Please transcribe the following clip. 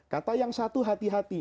kata yang satu hati hati